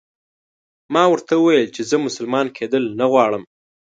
ما ورته وویل چې زه مسلمان کېدل نه غواړم.